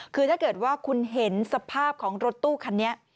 คือถ้าเกิดว่าคุณเห็นสภาพของรถตู้คันนี้